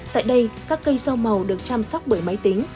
tại đây các cây rau màu được chăm sóc bởi máy tính